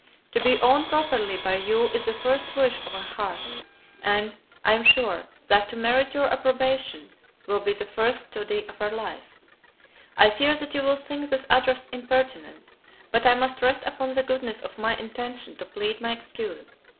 To be owned properly by you is the first wish of her heart; and, I am sure, that to merit your approbation will be the first study of her life. I fear that you will think this address impertinent; but I must rest upon the goodness of my intention to plead my excuse.